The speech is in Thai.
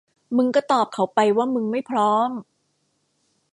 มึงก็ตอบเขาไปว่ามึงไม่พร้อม